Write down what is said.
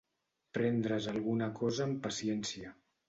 Prendre's alguna cosa amb paciència.